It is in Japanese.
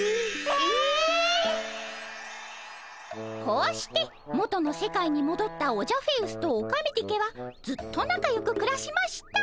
こうして元の世界にもどったオジャフェウスとオカメディケはずっとなかよくくらしました。